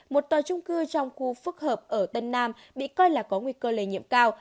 một tòa trung cư trong khu phức hợp ở tân nam bị coi là có nguy cơ lây nhiễm cao